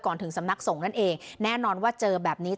ถึงสำนักสงฆ์นั่นเองแน่นอนว่าเจอแบบนี้